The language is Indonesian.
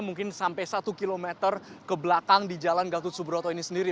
mungkin sampai satu kilometer ke belakang di jalan gatot subroto ini sendiri